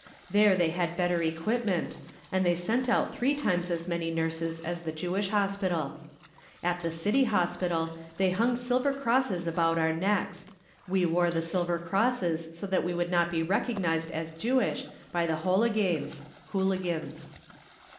There they had better equipment, and they sent out three times as many nurses as the Jewish Hospital. At the City Hospital they hung silver crosses about our necks. We wore the silver crosses so that we would not be recognised as Jewish by the Holiganes (Hooligans).